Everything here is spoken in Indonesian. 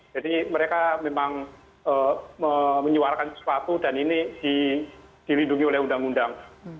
jadi mereka memang menyuarakan sesuatu dan ini dilindungi oleh undang undang